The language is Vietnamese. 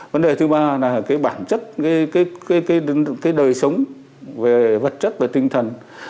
vấn đề thứ ba là cái bản chất cái đời sống về vật chất và tinh thần